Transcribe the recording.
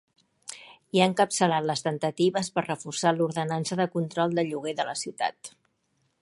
I ha encapçalat les temptatives per reforçar l'ordenança de control de lloguers de la ciutat.